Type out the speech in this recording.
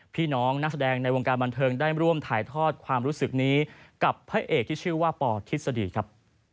พี่น้องนักแสดงในวงการบันเทิงได้ร่วมถ่ายทอดความรู้สึกนี้กับพระเอกที่ชื่อว่าปทฤษฎีครับ